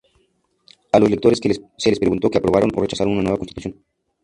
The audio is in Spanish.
A los electores se les preguntó que aprobaran o rechazaran una nueva constitución.